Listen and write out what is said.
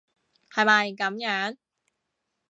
係咪噉樣？